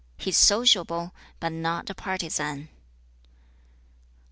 He is sociable, but not a partizan.'